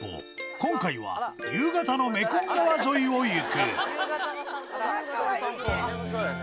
今回は夕方のメコン川沿いを行く眠そうやね。